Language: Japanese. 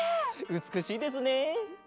うつくしいですね。